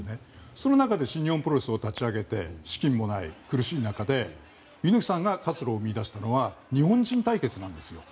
その中で新日本プロレスを立ち上げて資金もない苦しい中で猪木さんが活路を見いだしたのは日本人対決なんですよ。